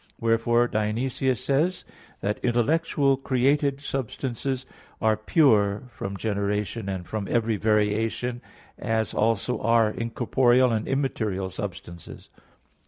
Wherefore Dionysius says (Div. Nom. iv) that "intellectual created substances are pure from generation and from every variation, as also are incorporeal and immaterial substances."